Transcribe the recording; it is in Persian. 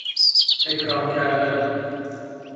اکرام کردن